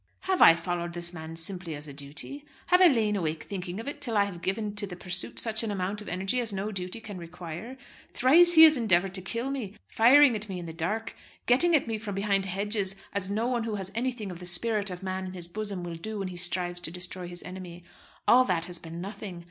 "Have I followed this man simply as a duty? Have I lain awake thinking of it till I have given to the pursuit such an amount of energy as no duty can require? Thrice he has endeavoured to kill me, firing at me in the dark, getting at me from behind hedges, as no one who has anything of the spirit of man in his bosom will do when he strives to destroy his enemy. All that has been nothing.